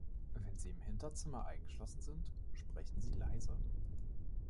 Wenn sie im Hinterzimmer eingeschlossen sind, sprechen sie leise.